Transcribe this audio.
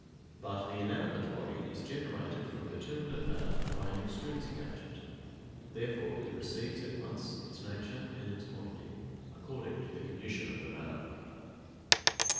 But the inanimate body is generated from determinate matter by an extrinsic agent; therefore it receives at once its nature and its quantity, according to the condition of the matter.